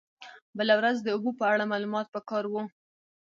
بله ورځ د اوبو په اړه معلومات په کار و.